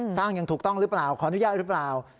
สร้างยังถูกต้องหรือเปล่าขออนุญาตรึป่าว